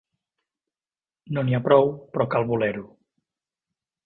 No n'hi ha prou, però cal voler-ho.